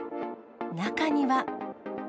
中には。